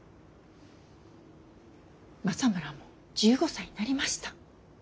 政村も１５歳になりました。